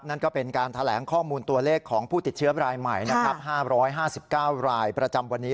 นั่นก็เป็นการแถลงข้อมูลตัวเลขของผู้ติดเชื้อรายใหม่นะครับ๕๕๙รายประจำวันนี้